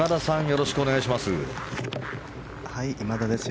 よろしくお願いします。